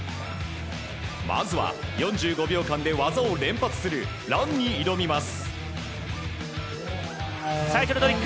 まずは、４５秒間で技を連発するランに挑みます。